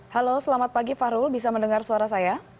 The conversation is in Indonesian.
halo selamat pagi fahrul bisa mendengar suara saya